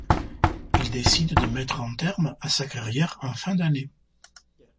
Il décide de mettre un terme à sa carrière en fin d'année.